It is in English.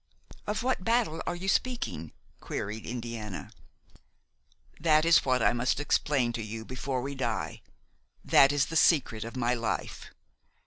"Of what battle are you speaking?" queried Indiana. "That is what I must explain to you before we die; that is the secret of my life.